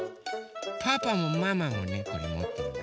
パパもママもねこれもってるよ。